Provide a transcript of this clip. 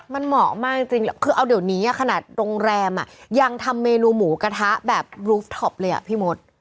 มันเหมาะมากจริงคือเอาเดี๋ยวนี้ขนาดโรงแรมยังทำเมนูหมูกระทะแบบบรูฟท็อปเลยอ่ะพี่มด